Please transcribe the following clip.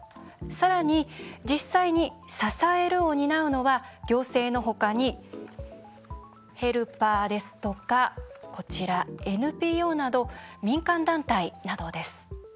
さらに実際に支えるを担うのは行政の他にヘルパーですとかＮＰＯなど、民間団体などです。